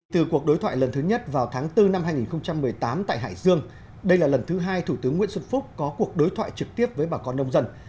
từ cuộc đối thoại lần thứ nhất vào tháng bốn năm hai nghìn một mươi tám tại hải dương đây là lần thứ hai thủ tướng nguyễn xuân phúc có cuộc đối thoại trực tiếp với bà con nông dân